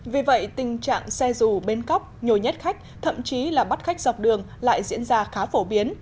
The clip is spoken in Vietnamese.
vì vậy tình trạng xe dù bến cóc nhồi nhét khách thậm chí là bắt khách dọc đường lại diễn ra khá phổ biến